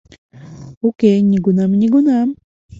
Уке, нигунам-нигунам...